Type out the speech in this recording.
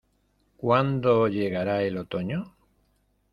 ¿Cuando llegará el otoño?